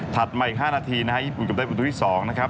มาอีก๕นาทีนะฮะญี่ปุ่นกับได้ประตูที่๒นะครับ